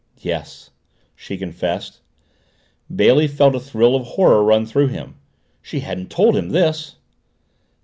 "Yes," she confessed. Bailey felt a thrill of horror run through him. She hadn't told him this!